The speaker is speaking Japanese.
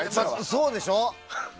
そうでしょ？